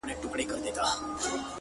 یو څوک دي ووایي چي کوم هوس ته ودرېدم -